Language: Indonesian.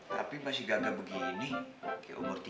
tapi masih gagah begini